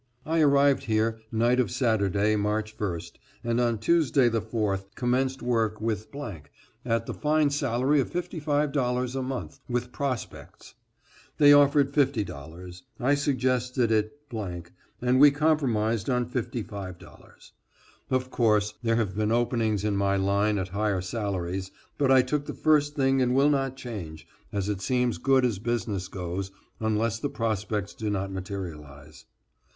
I arrived here night of Saturday, March 1st, and on Tuesday the 4th, commenced work with at the fine salary of $55 a month, with prospects. They offered $50; I suggested it and we compromised on $55. Of course, there have been openings in my line at higher salaries, but I took the first thing and will not change, as it seems good as business goes, unless the prospects do not materialize.